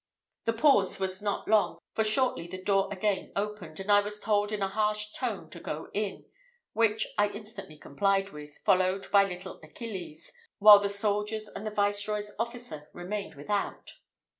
The pause was not long; for shortly the door again opened, and I was told in a harsh tone to go in, which I instantly complied with, followed by little Achilles, while the soldiers and the Viceroy's officer remained without.